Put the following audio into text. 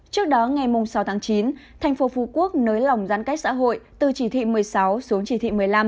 trước đó ngày sáu tháng chín thành phố phú quốc nới lỏng giãn cách xã hội từ chỉ thị một mươi sáu xuống chỉ thị một mươi năm